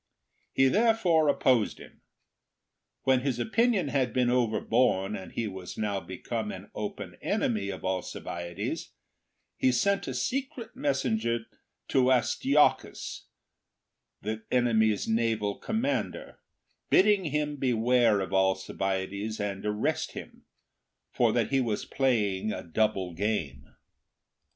He therefore opposed him. When his opinion had been overborne and he was now become an open enemy of Alcibiades, he sent a secret mes sage to Astyochus, the enemy's naval commander, bidding him beware of Alcibiades and arrest him, for that he was playing a double game.